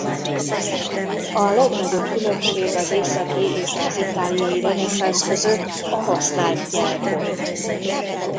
A legnagyobb különbség az északi és az itáliai reneszánsz között a használt nyelv volt.